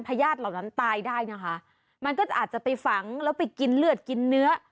ญาติเหล่านั้นตายได้นะคะมันก็อาจจะไปฝังแล้วไปกินเลือดกินเนื้อ